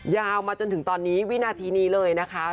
ยาวมาจนถึงตอนนี้วินาทีนี้เลยนะคะ